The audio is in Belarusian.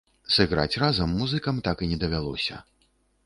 Сыграць разам музыкам так і не давялося.